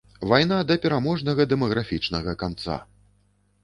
Вайна да пераможнага дэмаграфічнага канца!